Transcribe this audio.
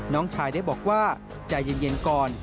น้องชายได้บอกว่าใจเย็นก่อน